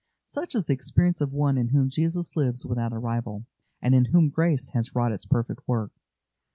Such is the experience of one in whom Jesus lives without a rival, and in whom grace has wrought its perfect work.